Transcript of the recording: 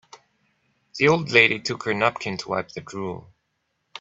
The old lady took her napkin to wipe the drool.